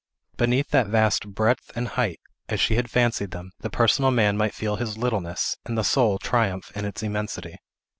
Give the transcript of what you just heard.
Beneath that vast breadth and height, as she had fancied them, the personal man might feel his littleness, and the soul triumph in its immensity.